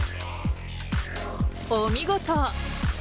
お見事！